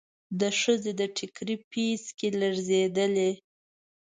د ښځې د ټکري پيڅکې لړزېدلې.